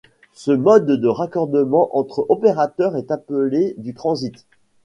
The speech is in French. Ce mode de raccordement entre opérateur, est appelé du transit.